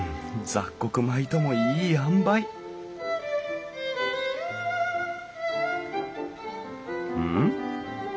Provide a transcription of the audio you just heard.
雑穀米ともいいあんばいん？